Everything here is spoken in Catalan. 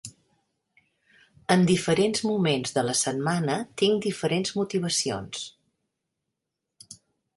En diferents moments de la setmana tinc diferents motivacions.